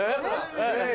はい！